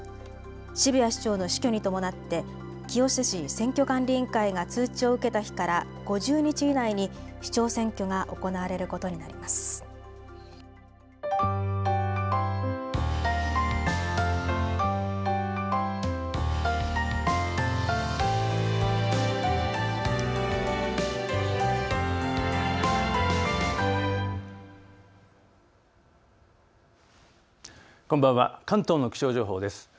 渋谷市長の死去に伴って清瀬市選挙管理委員会が通知を受けた日から５０日以内に市長選挙が行われることになります。